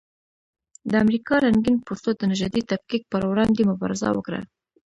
د امریکا رنګین پوستو د نژادي تفکیک پر وړاندې مبارزه وکړه.